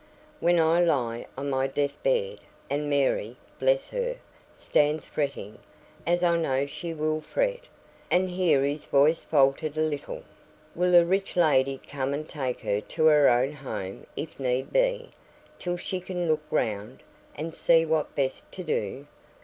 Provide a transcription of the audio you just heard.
When I lie on my death bed, and Mary (bless her) stands fretting, as I know she will fret," and here his voice faltered a little, "will a rich lady come and take her to her own home if need be, till she can look round, and see what best to do?